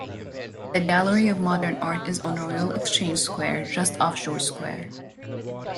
The Gallery of Modern Art is on Royal Exchange Square, just off George Square.